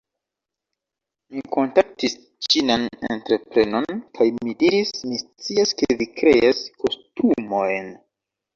- mi kontaktis ĉinan entreprenon kaj mi diris, "Mi scias, ke vi kreas kostumojn.